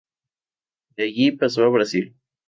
De allí pasó a Brasil.